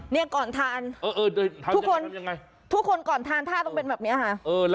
เนี่ยก่อนทานทุกคนทุกคนก่อนทานท่าต้องเป็นแบบนี้ค่ะ